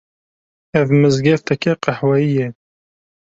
Ev mizgefteke qehweyî ye